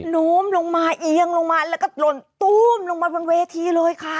โน้มลงมาเอียงลงมาแล้วก็หล่นตู้มลงมาบนเวทีเลยค่ะ